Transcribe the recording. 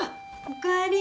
おかえり。